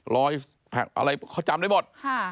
รอยอะไรเขาจำได้หมด